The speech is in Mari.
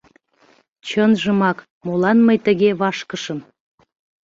Чынжымак, молан мый тыге вашкышым?